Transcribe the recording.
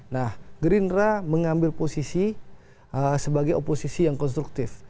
nah gerindra mengambil posisi sebagai oposisi yang konstruktif